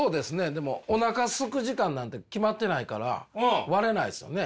でもおなかすく時間なんて決まってないから割れないっすよね。